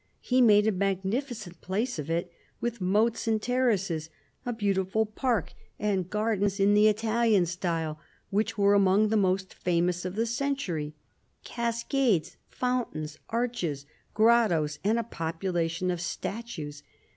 He made a magnificent place of it, with moats and terraces, a beautiful park, and gardens in 134 CARDINAL DE RICHELIEU the Italian style which were among the most famous of the century ; cascades, fountains, arches, grottos, and a population of statues.